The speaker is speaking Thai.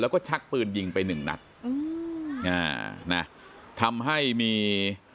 แล้วก็ชักปืนยิงไปหนึ่งนัดอืมอ่านะทำให้มี